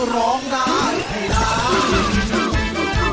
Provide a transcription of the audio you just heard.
ร้องดาให้ดา